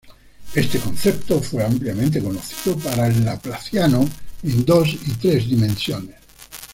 Este concepto fue ampliamente conocido para el laplaciano en dos y tres dimensiones.